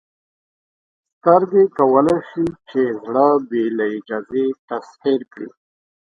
سترګې کولی شي چې زړه بې له اجازې تسخیر کړي.